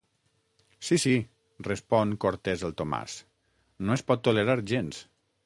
Sí, sí –respon cortès el Tomàs–, no es pot tolerar gens.